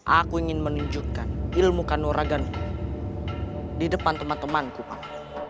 aku ingin menunjukkan ilmu kanoragan di depan teman temanku pak